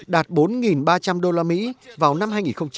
đạt bốn ba trăm linh usd vào năm hai nghìn hai mươi